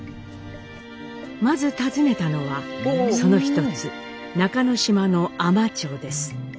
まず訪ねたのはその一つ中ノ島の海士町です。